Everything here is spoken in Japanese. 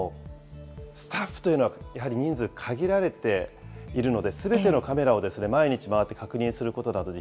スタッフというのはやはり人数、限られているので、すべてのカメラを毎日回って確認することなどに、